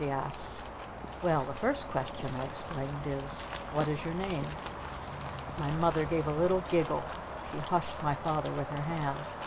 she asked. "Well the first question," I explained, "is 'What is your name?'" My Mother gave a little giggle. She hushed my Father with her hand.